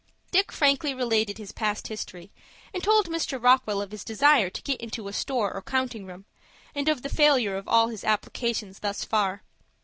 Dick frankly related his past history, and told Mr. Rockwell of his desire to get into a store or counting room, and of the failure of all his applications thus far.